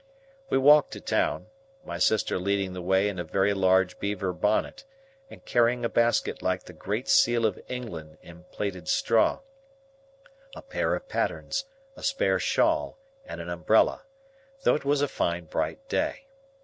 We walked to town, my sister leading the way in a very large beaver bonnet, and carrying a basket like the Great Seal of England in plaited Straw, a pair of pattens, a spare shawl, and an umbrella, though it was a fine bright day.